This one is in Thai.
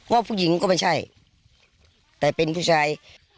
ว่าผู้หญิงก็ไม่ใช่แต่เป็นผู้ชาย